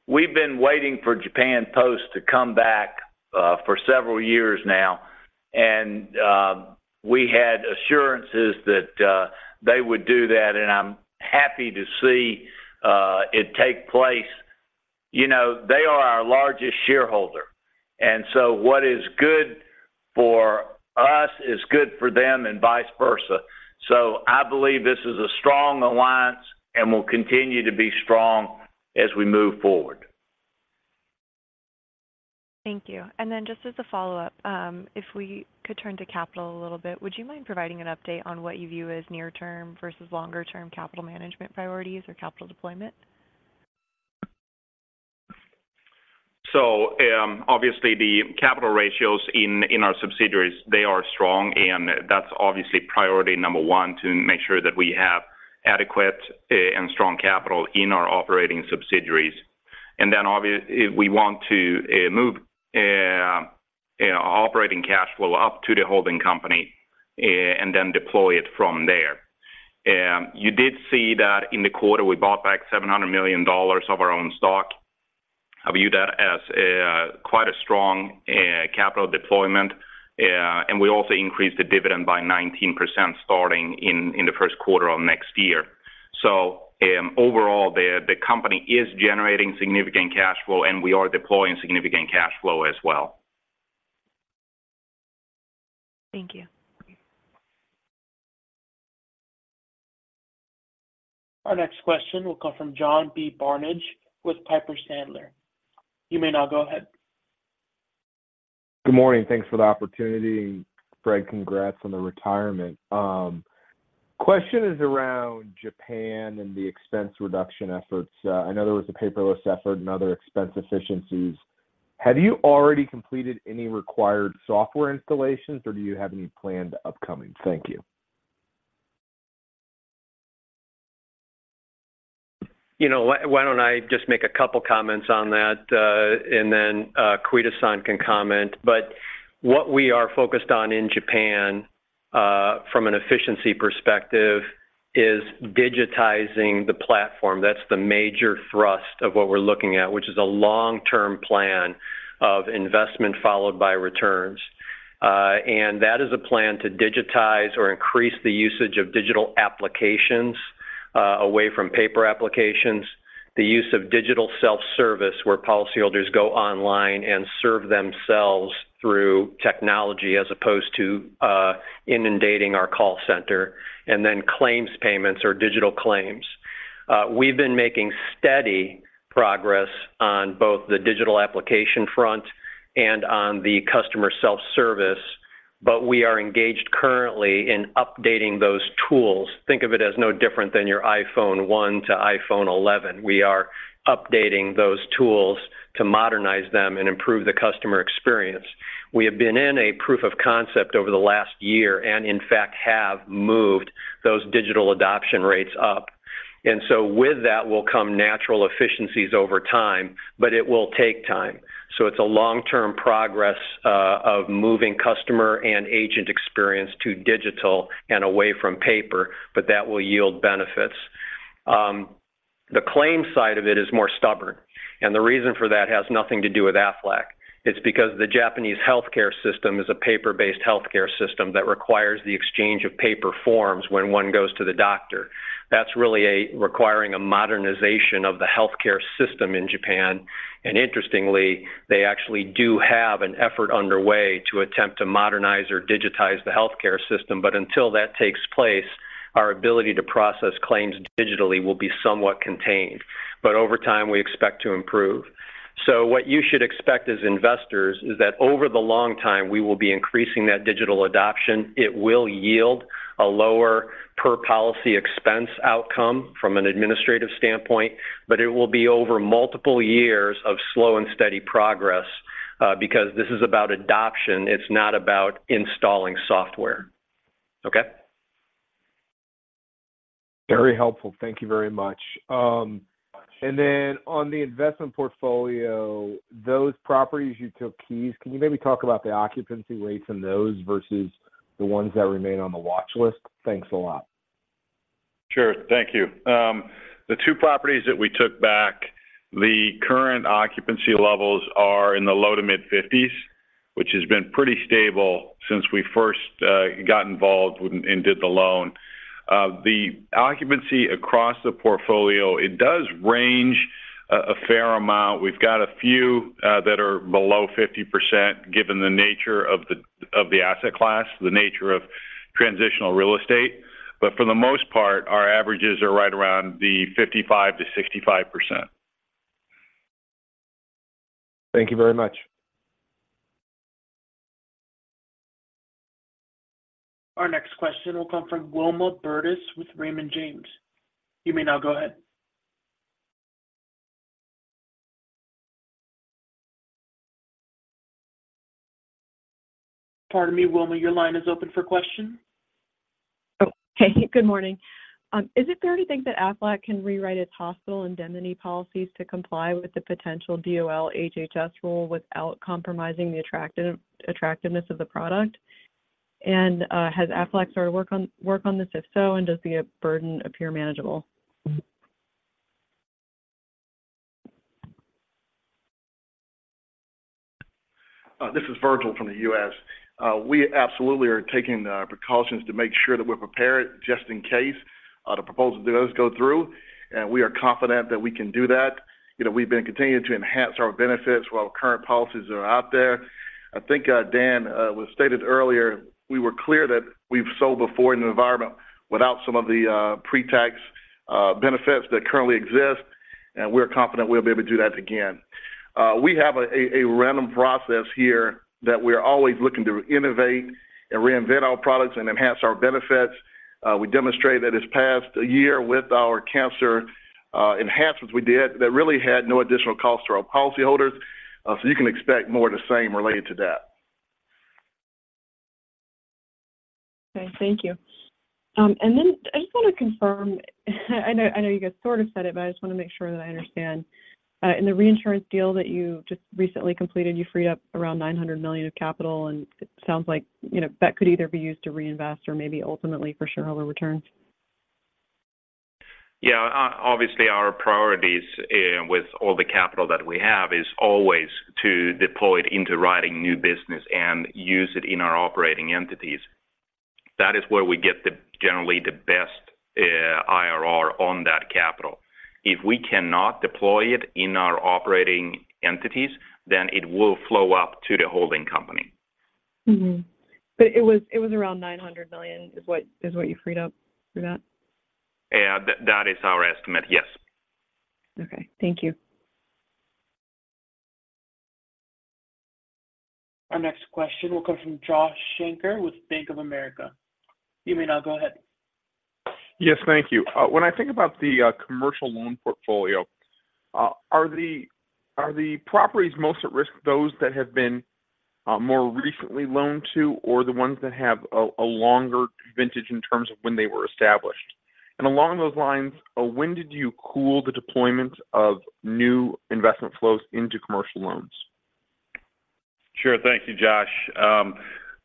We've been waiting for Japan Post to come back for several years now, and we had assurances that they would do that, and I'm happy to see it take place. You know, they are our largest shareholder, and so what is good for us is good for them, and vice versa. I believe this is a strong alliance and will continue to be strong as we move forward. Thank you. And then just as a follow-up, if we could turn to capital a little bit. Would you mind providing an update on what you view as near-term versus longer-term capital management priorities or capital deployment? So, obviously, the capital ratios in our subsidiaries, they are strong, and that's obviously priority number one, to make sure that we have adequate and strong capital in our operating subsidiaries. And then we want to move operating cash flow up to the holding company and then deploy it from there. You did see that in the quarter, we bought back $700 million of our own stock. I view that as quite a strong capital deployment, and we also increased the dividend by 19% starting in the first quarter of next year. So, overall, the company is generating significant cash flow, and we are deploying significant cash flow as well. Thank you. Our next question will come from John B. Barnidge with Piper Sandler. You may now go ahead. Good morning. Thanks for the opportunity. Fred, congrats on the retirement. Question is around Japan and the expense reduction efforts. I know there was a paperless effort and other expense efficiencies. Have you already completed any required software installations, or do you have any planned upcoming? Thank you. You know, why don't I just make a couple comments on that, and then Koide-san can comment. But what we are focused on in Japan, from an efficiency perspective, is digitizing the platform. That's the major thrust of what we're looking at, which is a long-term plan of investment followed by returns. And that is a plan to digitize or increase the usage of digital applications, away from paper applications, the use of digital self-service, where policyholders go online and serve themselves through technology as opposed to inundating our call center, and then claims payments or digital claims. We've been making steady progress on both the digital application front and on the customer self-service, but we are engaged currently in updating those tools. Think of it as no different than your iPhone 1 to iPhone 11. We are updating those tools to modernize them and improve the customer experience. We have been in a proof of concept over the last year and, in fact, have moved those digital adoption rates up, and so with that will come natural efficiencies over time, but it will take time. So it's a long-term progress of moving customer and agent experience to digital and away from paper, but that will yield benefits. The claims side of it is more stubborn. The reason for that has nothing to do with Aflac. It's because the Japanese healthcare system is a paper-based healthcare system that requires the exchange of paper forms when one goes to the doctor. That's really requiring a modernization of the healthcare system in Japan, and interestingly, they actually do have an effort underway to attempt to modernize or digitize the healthcare system. But until that takes place, our ability to process claims digitally will be somewhat contained. Over time, we expect to improve. What you should expect as investors is that over the long time, we will be increasing that digital adoption. It will yield a lower per policy expense outcome from an administrative standpoint, but it will be over multiple years of slow and steady progress, because this is about adoption, it's not about installing software. Okay? Very helpful. Thank you very much. Then on the investment portfolio, those properties you took keys, can you maybe talk about the occupancy rates in those versus the ones that remain on the watch list? Thanks a lot. Sure. Thank you. The 2 properties that we took back, the current occupancy levels are in the low to mid-50s, which has been pretty stable since we first got involved with and did the loan. The occupancy across the portfolio, it does range a fair amount. We've got a few that are below 50%, given the nature of the asset class, the nature of transitional real estate. But for the most part, our averages are right around the 55%-65%. Thank you very much. Our next question will come from Wilma Burdis with Raymond James. You may now go ahead. Pardon me, Wilma, your line is open for question. Oh, hey, good morning. Is it fair to think that Aflac can rewrite its hospital indemnity policies to comply with the potential DOL HHS rule without compromising the attractiveness of the product? And, has Aflac started work on this? If so, and does the burden appear manageable? This is Virgil from the US. We absolutely are taking precautions to make sure that we're prepared, just in case the proposal does go through. We are confident that we can do that. You know, we've been continuing to enhance our benefits while current policies are out there. I think, Dan, we've stated earlier, we were clear that we've sold before in an environment without some of the pre-tax benefits that currently exist, and we're confident we'll be able to do that again. We have a random process here that we're always looking to innovate and reinvent our products and enhance our benefits. We demonstrated that this past year with our cancer enhancements we did, that really had no additional cost to our policyholders. You can expect more of the same related to that. Okay, thank you. And then I just want to confirm, I know, I know you guys sort of said it, but I just want to make sure that I understand. In the reinsurance deal that you just recently completed, you freed up around $900 million of capital, and it sounds like, you know, that could either be used to reinvest or maybe ultimately for shareholder returns. Yeah, obviously, our priorities with all the capital that we have is always to deploy it into writing new business and use it in our operating entities. That is where we get the, generally, the best IRR on that capital. If we cannot deploy it in our operating entities, then it will flow up to the holding company. Mm-hmm. But it was, it was around $900 million is what, is what you freed up for that? Yeah, that, that is our estimate, yes. Okay, thank you. Our next question will come from Josh Shanker with Bank of America. You may now go ahead. Yes, thank you. When I think about the commercial loan portfolio, are the properties most at risk those that have been more recently loaned to, or the ones that have a longer vintage in terms of when they were established? Along those lines, when did you cool the deployment of new investment flows into commercial loans? Sure. Thank you, Josh.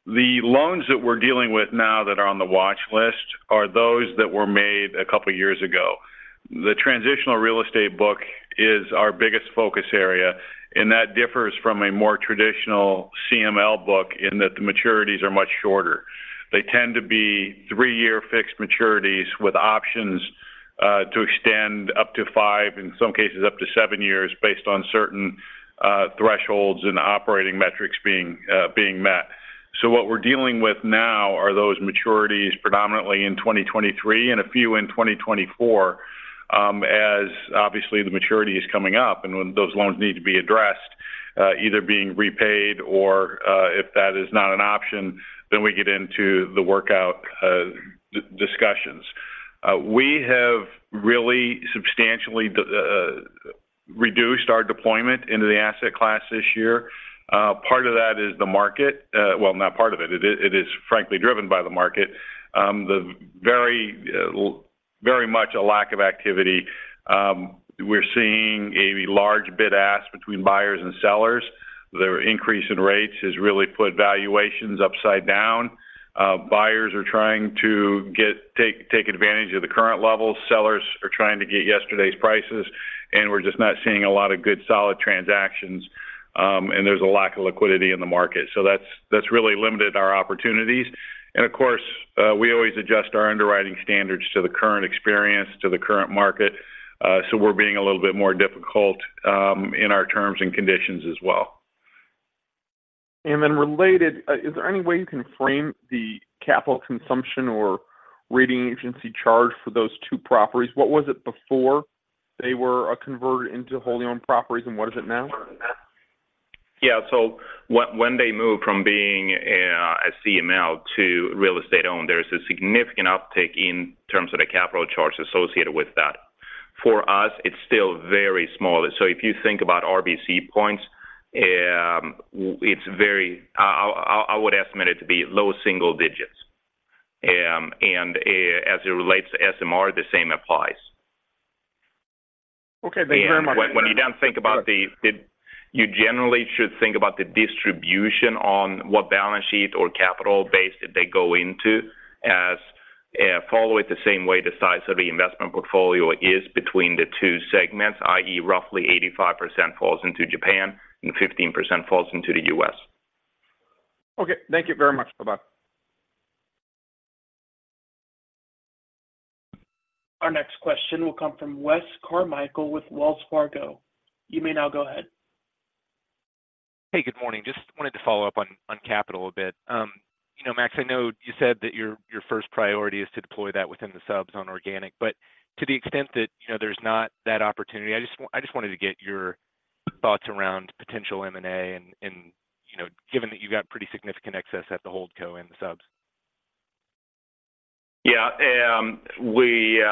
The loans that we're dealing with now that are on the watch list are those that were made a couple of years ago. The transitional real estate book is our biggest focus area, and that differs from a more traditional CML book in that the maturities are much shorter. They tend to be 3-year fixed maturities with options to extend up to 5, in some cases, up to 7 years, based on certain thresholds and operating metrics being met. So what we're dealing with now are those maturities, predominantly in 2023 and a few in 2024, as obviously, the maturity is coming up, and when those loans need to be addressed, either being repaid or, if that is not an option, then we get into the workout discussions. We have really substantially reduced our deployment into the asset class this year. Part of that is the market. Well, not part of it. It is, it is frankly driven by the market. The very, very much a lack of activity. We're seeing a large bid-ask between buyers and sellers.... The increase in rates has really put valuations upside down. Buyers are trying to get, take, take advantage of the current levels. Sellers are trying to get yesterday's prices, and we're just not seeing a lot of good, solid transactions, and there's a lack of liquidity in the market. So that's, that's really limited our opportunities. Of course, we always adjust our underwriting standards to the current experience, to the current market, so we're being a little bit more difficult in our terms and conditions as well. And then related, is there any way you can frame the capital consumption or rating agency charge for those two properties? What was it before they were converted into wholly owned properties, and what is it now? Yeah. So when they moved from being a CML to Real Estate Owned, there is a significant uptick in terms of the capital charge associated with that. For us, it's still very small. So if you think about RBC points, it's very. I would estimate it to be low single digits. And as it relates to SMR, the same applies. Okay, thank you very much. When you then think about the distribution on what balance sheet or capital base that they go into, as follow it the same way the size of the investment portfolio is between the two segments, i.e., roughly 85% falls into Japan and 15% falls into the U.S. Okay, thank you very much. Bye-bye. Our next question will come from Wes Carmichael with Wells Fargo. You may now go ahead. Hey, good morning. Just wanted to follow up on capital a bit. You know, Max, I know you said that your first priority is to deploy that within the subs on organic, but to the extent that, you know, there's not that opportunity, I just wanted to get your thoughts around potential M&A, and you know, given that you've got pretty significant excess at the Holdco in the subs. Yeah, we,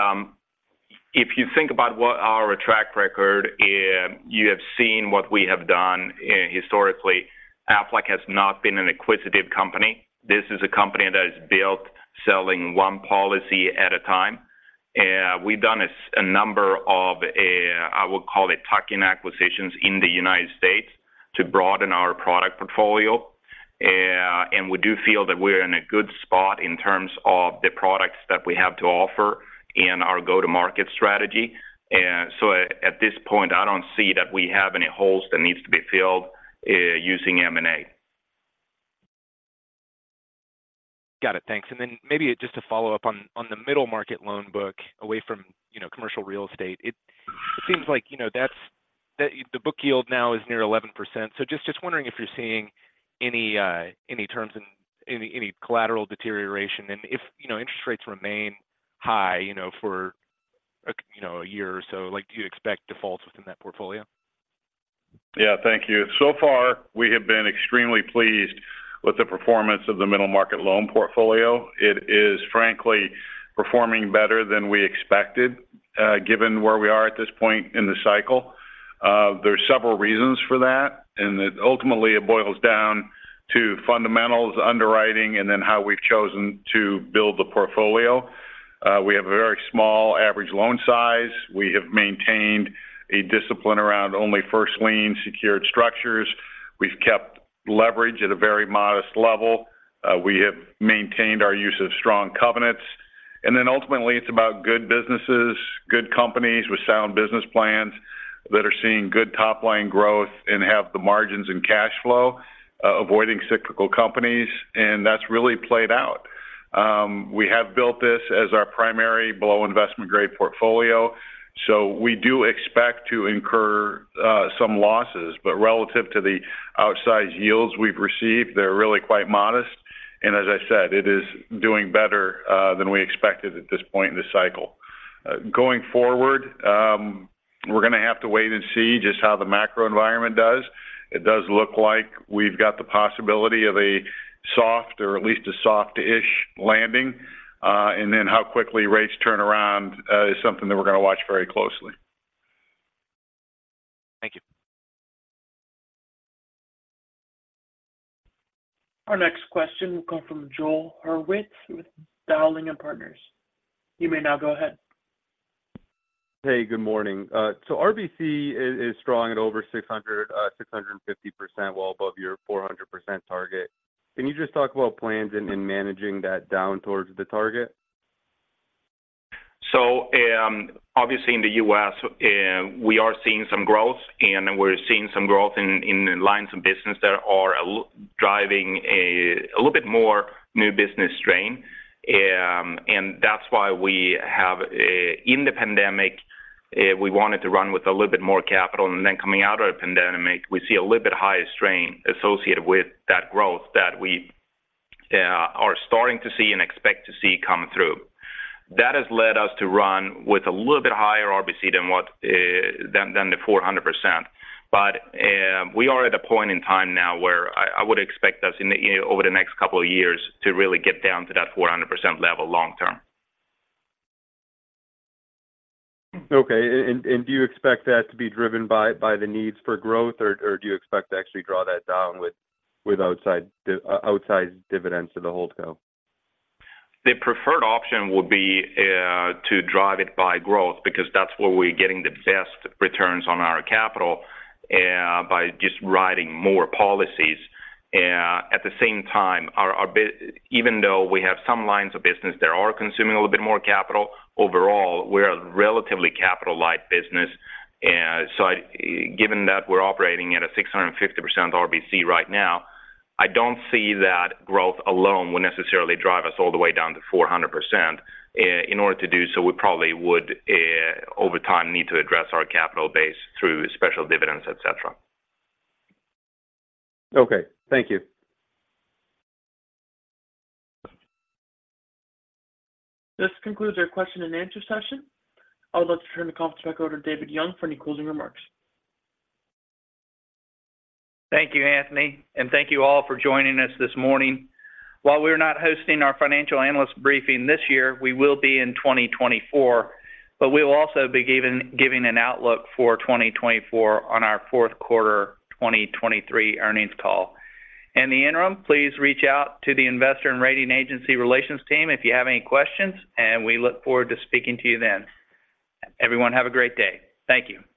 if you think about what our track record, you have seen what we have done historically, Aflac has not been an acquisitive company. This is a company that is built selling one policy at a time. We've done a number of, I would call it tuck-in acquisitions in the United States to broaden our product portfolio. And we do feel that we're in a good spot in terms of the products that we have to offer in our go-to-market strategy. So at this point, I don't see that we have any holes that needs to be filled using M&A. Got it. Thanks. And then maybe just to follow up on the middle market loan book, away from, you know, commercial real estate. It seems like, you know, that's the book yield now is near 11%. So just wondering if you're seeing any terms in any collateral deterioration? And if, you know, interest rates remain high, you know, for a year or so, like, do you expect defaults within that portfolio? Yeah, thank you. So far, we have been extremely pleased with the performance of the middle market loan portfolio. It is, frankly, performing better than we expected, given where we are at this point in the cycle. There are several reasons for that, and it ultimately, it boils down to fundamentals, underwriting, and then how we've chosen to build the portfolio. We have a very small average loan size. We have maintained a discipline around only first lien secured structures. We've kept leverage at a very modest level. We have maintained our use of strong covenants. And then ultimately, it's about good businesses, good companies with sound business plans that are seeing good top-line growth and have the margins and cash flow, avoiding cyclical companies, and that's really played out. We have built this as our primary below investment-grade portfolio, so we do expect to incur some losses. But relative to the outsized yields we've received, they're really quite modest. And as I said, it is doing better than we expected at this point in the cycle. Going forward, we're gonna have to wait and see just how the macro environment does. It does look like we've got the possibility of a soft or at least a soft-ish landing. And then how quickly rates turn around is something that we're gonna watch very closely. Thank you. Our next question will come from Joel Hurwitz with Dowling and Partners. You may now go ahead. Hey, good morning. RBC is strong at over 600, 650%, well above your 400% target. Can you just talk about plans in managing that down towards the target? So, obviously, in the U.S., we are seeing some growth, and we're seeing some growth in the lines of business that are all driving a little bit more new business strain. And that's why we have, in the pandemic, we wanted to run with a little bit more capital, and then coming out of the pandemic, we see a little bit higher strain associated with that growth that we are starting to see and expect to see coming through. That has led us to run with a little bit higher RBC than what, than the 400%. But, we are at a point in time now where I would expect us, over the next couple of years to really get down to that 400% level long term. Okay. And do you expect that to be driven by the needs for growth, or do you expect to actually draw that down with outsized dividends to the hold co? The preferred option would be to drive it by growth because that's where we're getting the best returns on our capital by just writing more policies. At the same time, even though we have some lines of business that are consuming a little bit more capital, overall, we're a relatively capital-light business. So I, given that we're operating at a 650% RBC right now, I don't see that growth alone will necessarily drive us all the way down to 400%. In order to do so, we probably would, over time, need to address our capital base through special dividends, et cetera. Okay, thank you. This concludes our question and answer session. I would like to turn the conference back over to David Young for any closing remarks. Thank you, Anthony, and thank you all for joining us this morning. While we're not hosting our financial analyst briefing this year, we will be in 2024, but we will also be giving an outlook for 2024 on our fourth quarter 2023 earnings call. In the interim, please reach out to the investor and rating agency relations team if you have any questions, and we look forward to speaking to you then. Everyone, have a great day. Thank you.